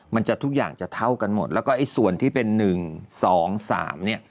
มันจะทุกอย่างจะเท่ากันหมดแล้วก็ไอ้ส่วนที่เป็น๑๒๓เนี่ย